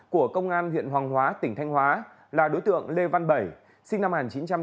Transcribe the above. của công an huyện hoàng hóa tỉnh thanh hóa là đối tượng lê văn bảy sinh năm một nghìn chín trăm tám mươi